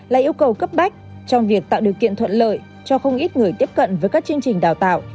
là yêu cầu cấp bách trong việc tạo điều kiện thuận lợi cho không ít người tiếp cận với các chương trình đào tạo